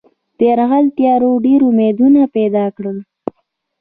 د یرغل تیاریو ډېر امیدونه پیدا کړل.